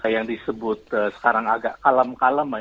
yang disebut sekarang agak kalem kalem